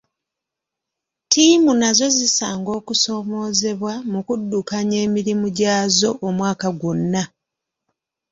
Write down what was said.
Ttiimu nazo zisanga okusoomoozebwa mu kuddukanya emirimu gyazo omwaka gwonna.